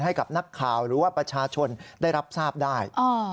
ให้กับนักข่าวหรือว่าประชาชนได้รับทราบได้